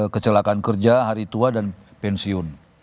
kecelakaan kerja hari tua dan pensiun